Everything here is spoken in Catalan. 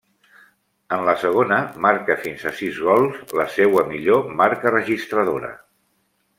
En la segona, marca fins a sis gols, la seua millor marca registradora.